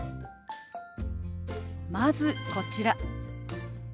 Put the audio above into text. まずこちら。